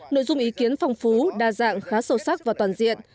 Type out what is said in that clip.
nội dung ý kiến phong phú đa dạng khá sâu sắc và toàn diện